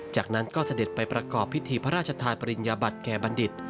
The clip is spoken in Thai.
จากนั้นก็เสด็จไปประกอบพิธีพระราชทานปริญญาบัติแก่บัณฑิต